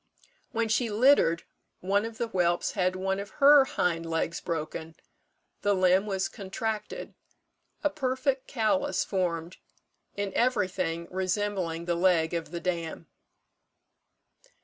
When she littered, one of the whelps had one of her hind legs broken the limb was contracted a perfect callus formed, in everything resembling the leg of the dam.